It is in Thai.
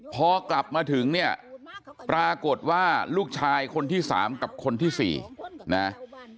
พอกลับมาถึงเนี่ยปรากฏว่าลูกชายคนที่๓กับคนที่๔นะ